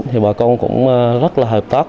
thì bà con cũng rất là hợp tác